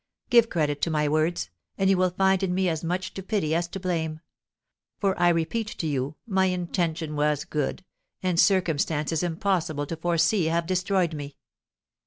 Give credit to my words, and you will find in me as much to pity as to blame; for, I repeat to you, my intention was good, and circumstances impossible to foresee have destroyed me.